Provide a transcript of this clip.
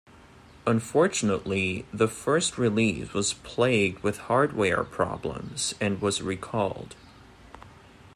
Unfortunately, the first release was plagued with hardware problems and was recalled.